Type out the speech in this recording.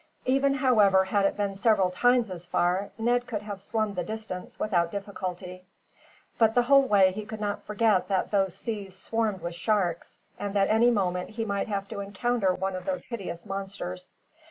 Even, however, had it been several times as far, Ned could have swum the distance without difficulty; but the whole way he could not forget that those seas swarmed with sharks, and that any moment he might have to encounter one of those hideous monsters.